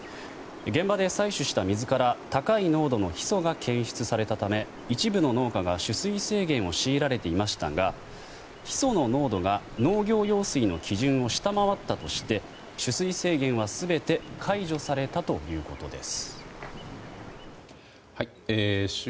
現場で採取した水から高い濃度のヒ素が検出されたため一部の農家が取水制限を強いられていましたがヒ素の濃度が農業用水の基準を下回ったとして取水制限は全て解除されたということです。